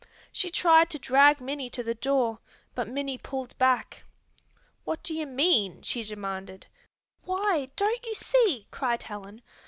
She tried to drag Minnie to the door, but Minnie pulled back. "What do you mean?" she demanded. "Why, don't you see?" cried Helen.